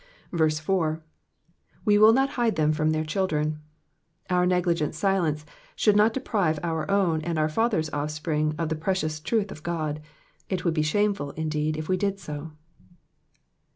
4. We wiU not hifJe them from their ehildreny Our negligent silence shall not deprive our own and our father^s offspring of the precious truth of God, it would be shameful indeed if we did so.